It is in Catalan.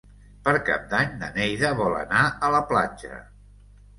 Per Cap d'Any na Neida vol anar a la platja.